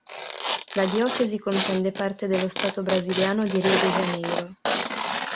La diocesi comprende parte dello Stato brasiliano di Rio de Janeiro.